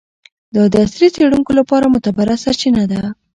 دا د عصري څیړونکو لپاره معتبره سرچینه ده.